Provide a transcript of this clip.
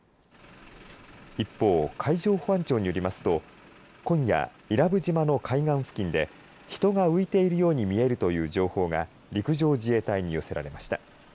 一方、海上保安庁によりますと今夜、伊良部島の海岸付近で人が浮いているように見えるという情報が陸上自衛隊に寄せられました。